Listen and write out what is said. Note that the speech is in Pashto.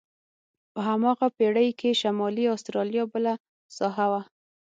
په هماغه پېړۍ کې شمالي استرالیا بله ساحه وه.